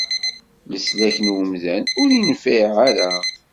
Leslak n umdan, ur infiɛ ara.